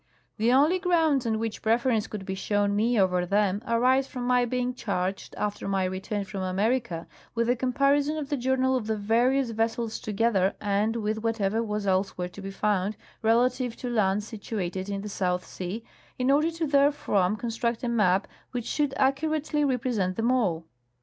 The only grounds on which preference could be shown me over them arise from my being charged, after my return from America, with the comparison of the journals of the various vessels together and with whatever was elsewhere to be found relative to lands situated in the South Sea, in order to therefrom construct a map which should accurately represent them all."